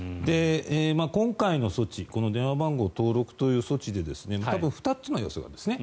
今回の措置電話番号登録という措置で多分２つの要素があるんです。